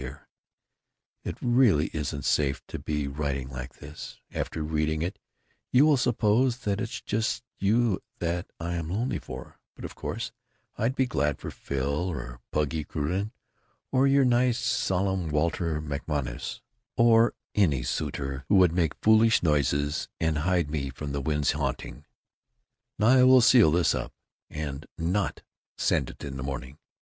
Dear, it really isn't safe to be writing like this, after reading it you will suppose that it's just you that I am lonely for, but of course I'd be glad for Phil or Puggy Crewden or your nice solemn Walter MacMonnies or any suitor who would make foolish noises & hide me from the wind's hunting. Now I will seal this up & NOT send it in the morning.